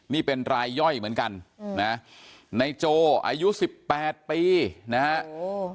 นี่เป็นรายย่อยเหมือนกันอืมนะในโจอายุสิบแปดปีนะฮะโอ้